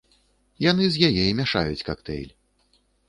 Яны з яе і мяшаюць кактэйль.